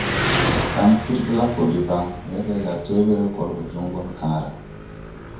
Tamsir blaggo deban werga jar tebęęre kol wo go jon bon kããra.